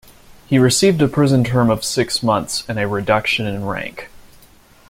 He received a prison term of six months and a reduction in rank.